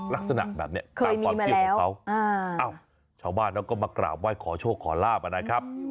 ลักษณะแบบนี้ตามความคิดของเขาอ้าวชาวบ้านเราก็มากราบว่าขอโชคขอลาบนะครับ